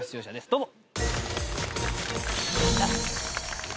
どうぞ。